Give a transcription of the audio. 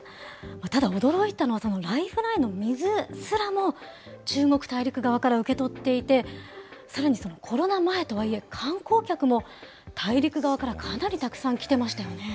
ただ、驚いたのはそのライフラインの水すらも中国大陸側から受け取っていて、さらにコロナ前とはいえ、観光客も大陸側からかなりたくさん来てましたよね。